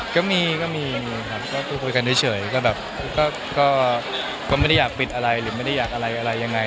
ก็มีก็มีครับก็คือคุยกันเฉยก็แบบก็ไม่ได้อยากปิดอะไรหรือไม่ได้อยากอะไรอะไรยังไง